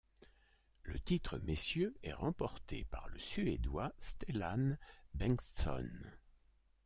Le titre messieurs est remporté par le suédois Stellan Bengtsson.